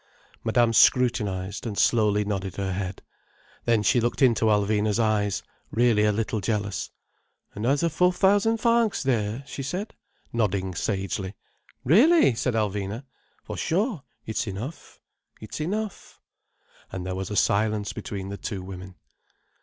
Madame scrutinized, and slowly nodded her head. Then she looked into Alvina's eyes, really a little jealous. "Another four thousand francs there," she said, nodding sagely. "Really!" said Alvina. "For sure. It's enough—it's enough—" And there was a silence between the two women.